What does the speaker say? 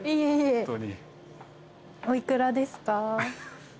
お幾らですか？